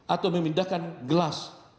atau memindahkan gelas